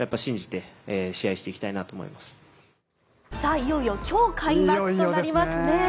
いよいよ今日開幕となりますね。